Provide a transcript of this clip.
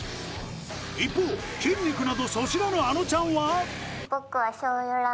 一方筋肉など素知らぬあのちゃんは僕は。